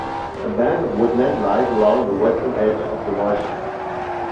A band of woodland lies along the western edge of the marshes.